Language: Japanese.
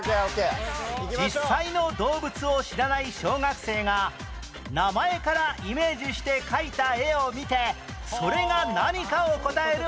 実際の動物を知らない小学生が名前からイメージして描いた絵を見てそれが何かを答える問題